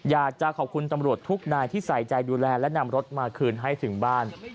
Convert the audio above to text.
อยากจะขอบคุณตำรวจทุกนายที่ใส่ใจดูแลและนำรถมาคืนให้ถึงบ้าน